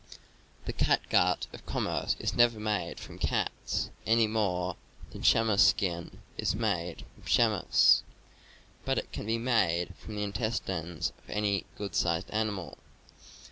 The catgut of commerce is never made from cats, any more than chamois skin is made from chamois; but it can be made from the intestines ^* of almost any good sized animal.